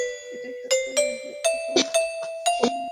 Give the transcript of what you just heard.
এটাই সত্য, নইলে এতক্ষনে কবরে থাকতে।